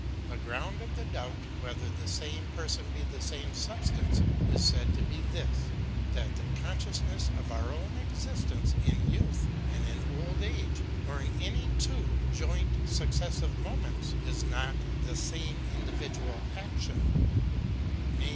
The ground of the doubt, whether the same person be the same substance, is said to be this ; that the consciousness of our own existence, in youth and in old age, or in any two joint successive moments, is not the sam^ individual action^ i.e.